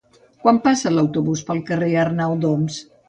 Quan passa l'autobús pel carrer Arnau d'Oms?